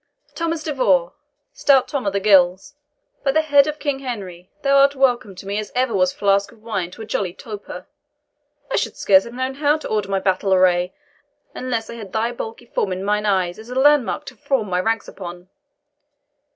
"Thomas de Vaux! stout Tom of the Gills! by the head of King Henry, thou art welcome to me as ever was flask of wine to a jolly toper! I should scarce have known how to order my battle array, unless I had thy bulky form in mine eye as a landmark to form my ranks upon.